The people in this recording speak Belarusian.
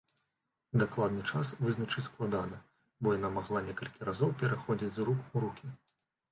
Дакладны час вызначыць складана, бо яна магла некалькі разоў пераходзіць з рук у рукі.